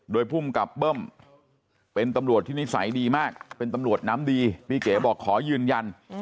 โดยภูมิกับเบิ้มเป็นตำรวจที่นิสัยดีมากเป็นตำรวจน้ำดีพี่เก๋บอกขอยืนยัน